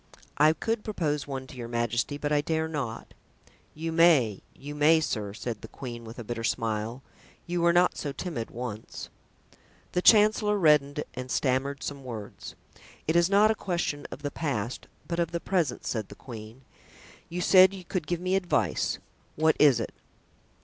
"I could propose one to your majesty, but I dare not." "You may, you may, sir," said the queen with a bitter smile; "you were not so timid once." The chancellor reddened and stammered some words. "It is not a question of the past, but of the present," said the queen; "you said you could give me advice—what is it?"